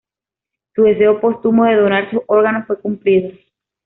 Su deseo póstumo de donar sus órganos fue cumplido.